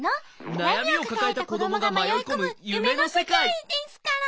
なやみをかかえたこどもがまよいこむゆめのせかい。ですから。